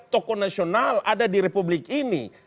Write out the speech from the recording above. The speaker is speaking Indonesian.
tokoh nasional ada di republik ini